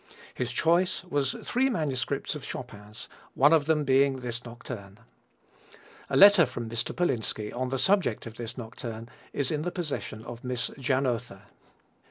His choice was three manuscripts of Chopin's, one of them being this nocturne. A letter from Mr. Polinski on the subject of this nocturne is in the possession of Miss Janotha.